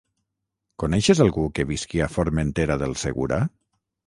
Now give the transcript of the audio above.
Coneixes algú que visqui a Formentera del Segura?